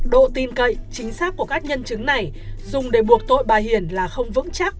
độ tin cậy chính xác của các nhân chứng này dùng để buộc tội bà hiển là không vững chắc